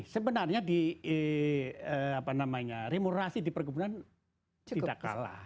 sebenarnya di apa namanya remunerasi di perkebunan tidak kalah